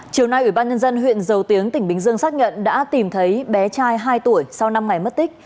chiều nay ủy ban nhân dân huyện dầu tiếng tỉnh bình dương xác nhận đã tìm thấy bé trai hai tuổi sau năm ngày mất tích